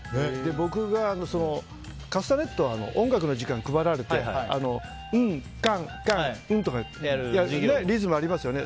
僕がカスタネットを音楽の時間に配られてウン、タン、タンってリズムありますよね。